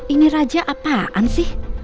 ini raja apaan sih